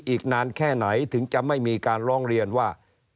อีกนานแค่ไหนถึงจะไม่มีการร้องเรียนว่า